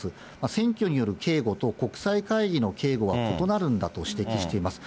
選挙による警護と国際会議の警護は異なるんだと指摘しています。